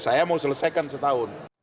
saya mau selesaikan setahun